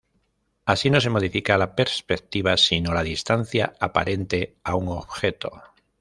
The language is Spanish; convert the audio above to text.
Así, no se modifica la perspectiva, sino la distancia aparente a un objeto.